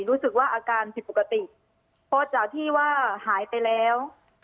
รู้สึกว่าอาการผิดปกติเพราะจากที่ว่าหายไปแล้ว